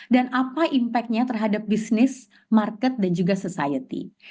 dan apa impact nya terhadap bisnis market dan juga society